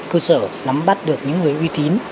cơ sở nắm bắt được những người uy tín